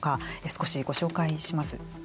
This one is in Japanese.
少しご紹介します。